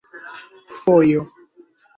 fojo